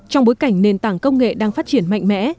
trong bối cảnh nền tảng công nghệ đang phát triển mạnh mẽ